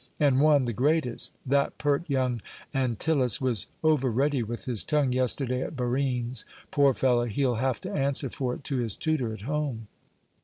And one, the greatest. That pert young Antyllus was over ready with his tongue yesterday at Barine's. Poor fellow! He'll have to answer for it to his tutor at home."